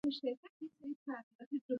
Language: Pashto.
ازادي راډیو د تعلیم د تحول لړۍ تعقیب کړې.